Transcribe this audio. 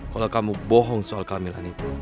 kalau kamu bohong soal kehamilan itu